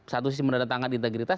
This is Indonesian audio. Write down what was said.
satu sisi mendatangkan integritas